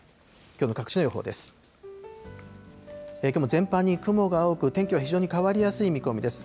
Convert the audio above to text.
きょうも全般に雲が多く、天気は非常に変わりやすい見込みです。